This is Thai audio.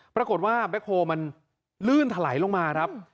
ปรากฏว่าแบ็คโฮลมันลื่นถลายลงมาครับ